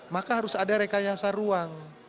maka harus ada rekayasa ruang